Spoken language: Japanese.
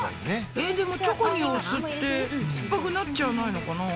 えっでもチョコにお酢ってすっぱくなっちゃわないのかな？